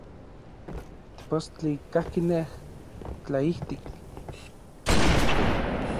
Tepostli kajki nej, tlaijtik.